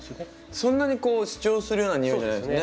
そんなに主張するような匂いじゃないですよね。